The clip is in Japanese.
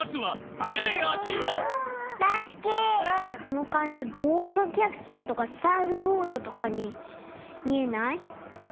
このかんじごうかきゃくせんとかサーフボードとかにみえない？